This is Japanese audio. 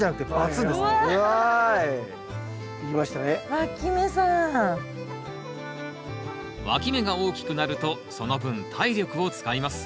わき芽が大きくなるとその分体力を使います。